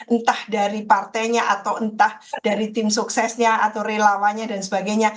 entah dari partainya atau entah dari tim suksesnya atau relawannya dan sebagainya